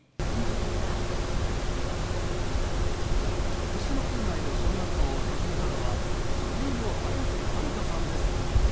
福島県内の小学校を訪ねたのは女優の綾瀬はるかさんです。